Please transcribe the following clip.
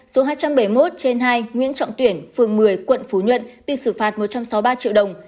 số hai trăm bảy mươi một trên hai nguyễn trọng tuyển phường một mươi quận phú nhuận bị xử phạt một trăm sáu mươi ba triệu đồng